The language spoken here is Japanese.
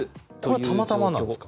これはたまたまなんですか？